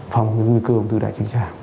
phong cái nguy cơ ung thư đại trực tràng